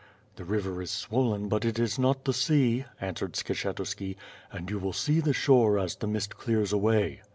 "The river is swollen but it is not the sea," answered Skshetuski, "and you will see the shore as the mist clears away."